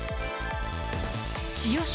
千代翔